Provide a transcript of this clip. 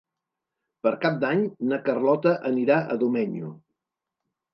Per Cap d'Any na Carlota anirà a Domenyo.